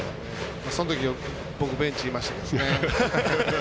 そのとき僕ベンチいましたけどね。